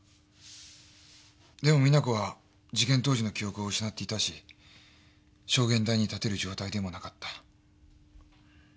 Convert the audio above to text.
でも実那子は事件当時の記憶を失っていたし証言台に立てる状態でもなかった。